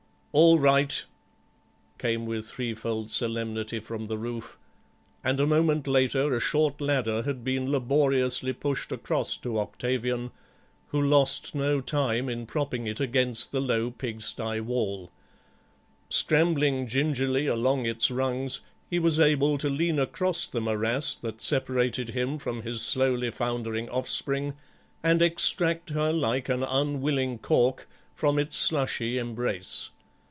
"All right," came with threefold solemnity from the roof, and a moment later a short ladder had been laboriously pushed across to Octavian, who lost no time in propping it against the low pigsty wall. Scrambling gingerly along its rungs he was able to lean across the morass that separated him from his slowly foundering offspring and extract her like an unwilling cork from it's slushy embrace.